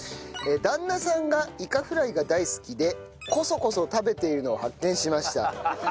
旦那さんがいかフライが大好きでコソコソ食べているのを発見しました。